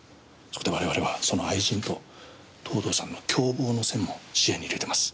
そこで我々はその愛人と藤堂さんの共謀のセンも視野にいれてます。